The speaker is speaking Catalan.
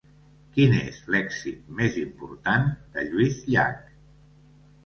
Quin és l'èxit més important de Lluís Llach?